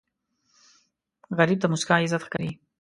غریب ته موسکا عزت ښکاري